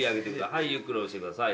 はいゆっくり押してください。